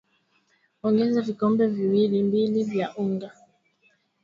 ongeza vikombe viwili mbili vya unga